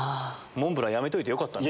モンブランやめといてよかった。